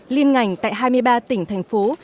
liên ngành tại hai mươi ba tỉnh thành phố